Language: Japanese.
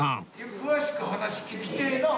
詳しく話聞きてえなあ。